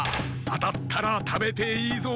あたったらたべていいぞ。